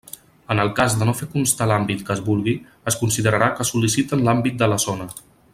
En el cas de no fer constar l'àmbit que es vulgui, es considerarà que sol·liciten l'àmbit de la zona.